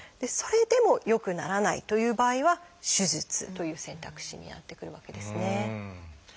それでも良くならないという場合は「手術」という選択肢になってくるわけですね。